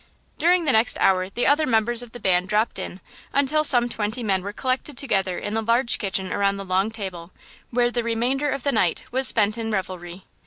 During the next hour other members of the band dropped in until some twenty men were collected together in the large kitchen around the long table, where the remainder of the night was spent in revelry.